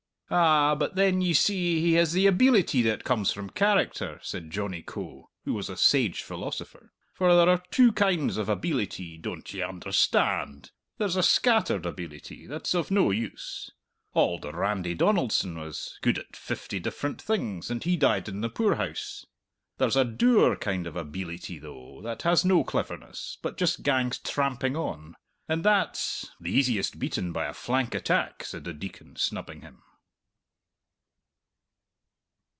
"A ah, but then, ye see, he has the abeelity that comes from character," said Johnny Coe, who was a sage philosopher. "For there are two kinds of abeelity, don't ye understa and? There's a scattered abeelity that's of no use! Auld Randie Donaldson was good at fifty different things, and he died in the poorhouse! There's a dour kind of abeelity, though, that has no cleverness, but just gangs tramping on; and that's " "The easiest beaten by a flank attack," said the Deacon, snubbing him.